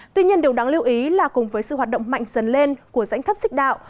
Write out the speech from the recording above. tuy nhiên điều đáng lưu ý là cùng với sự hoạt động mạnh dần lên của rãnh thấp xích đạo